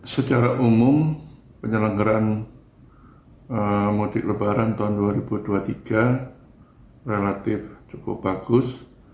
secara umum penyelenggaran mudik lebaran tahun dua ribu dua puluh tiga relatif cukup bagus